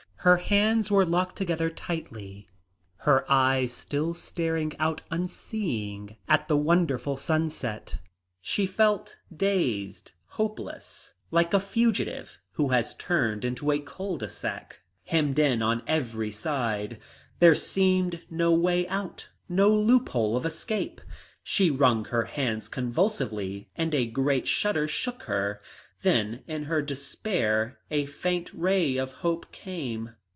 Her hands were locked together tightly, her eyes still staring out unseeing at the wonderful sunset. She felt dazed, hopeless, like a fugitive who has turned into a cul de sac, hemmed in on every side; there seemed no way out, no loophole of escape. She wrung her hands convulsively and a great shudder shook her. Then in her despair a faint ray of hope came.